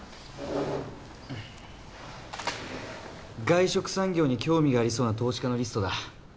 外食産業に興味がありそうな投資家のリストだ。